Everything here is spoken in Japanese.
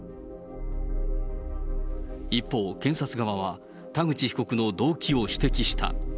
一方、検察側は田口被告の動機を指摘した。